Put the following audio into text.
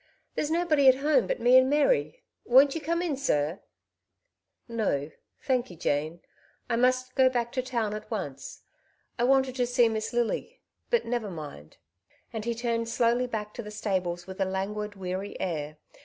There's nobody at home but me and Mary ; but won't you come in, sir ?"'^ No j thank you, Jane ; I must go back to town Bitter Disappointment. 197 at onco. I wanted to see Miss Lily, but never mind;'' and he turned slowly back to the stables with a languid, weary air.